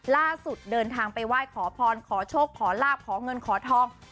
เดินทางไปไหว้ขอพรขอโชคขอลาบขอเงินขอทอง